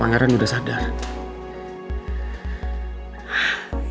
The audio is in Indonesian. karena sekarang aku tak ada masa